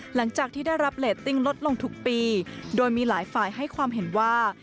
หลังจากที่ได้รับเรตติ้งลดลงทุกปีโดยมีหลายฝ่ายให้ความเห็นว่า